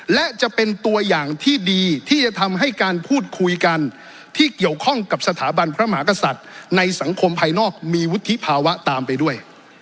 และจะเป็นตัวอย่างที่ดีที่จะทำให้การพูดคุยกันที่เกี่ยวข้องกับสถาบันพระมหากษัตริย์ในสังคมภายนอกมีวุฒิภาวะตามไปด้วย